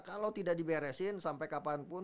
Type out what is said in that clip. kalau tidak diberesin sampai kapanpun